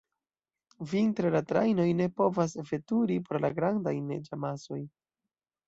Vintre la trajnoj ne povas veturi pro la grandaj neĝamasoj.